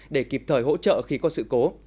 để kịp thời hỗ trợ khi có sự cố